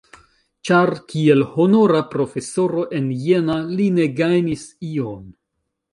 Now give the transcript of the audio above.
Ĉar kiel honora profesoro en Jena li ne gajnis ion!